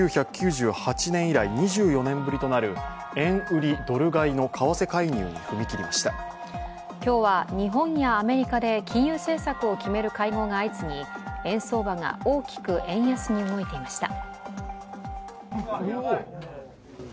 １９９８年以来、２４年ぶりとなる円売り・ドル買いの今日は日本やアメリカで金融政策を決める会合が相次ぎ円相場が大きく円安に動いていました。